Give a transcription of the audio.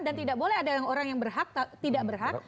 dan tidak boleh ada orang yang berhak tidak berhak